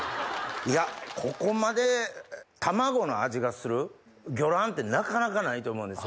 いやここまで卵の味がする魚卵ってなかなかないと思うんです